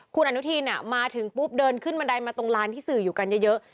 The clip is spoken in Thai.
คุณอนุทินมาถึงปุ๊บเดินขึ้นบันไดมาตรงลานที่สื่ออยู่กันเยอะ